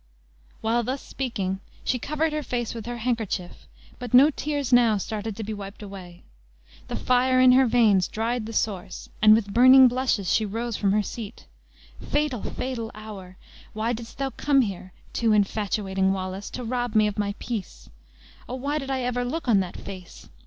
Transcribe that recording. While thus speaking, she covered her face with her handkerchief, but no tears now started to be wiped away. The fire in her veins dried the source, and with burning blushes she rose from her seat. "Fatal, fatal hour! Why didst thou come here, too infatuating Wallace, to rob me of my peace? Oh! why did I ever look on that face?